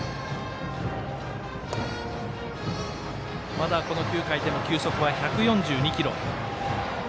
まだ９回でも球速は１４２キロ。